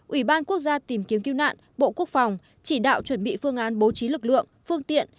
ủy ban quốc gia tìm kiếm cứu nạn bộ quốc phòng chỉ đạo chuẩn bị phương án bố trí lực lượng phương tiện